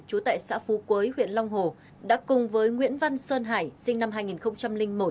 trú tại xã phú quế huyện long hồ đã cùng với nguyễn văn sơn hải sinh năm hai nghìn một